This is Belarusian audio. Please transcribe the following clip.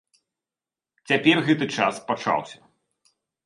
Цяпер гэты час пачаўся.